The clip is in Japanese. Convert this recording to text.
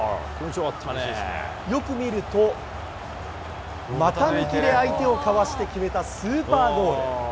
よく見ると、股抜きで相手をかわして決めたスーパーゴール。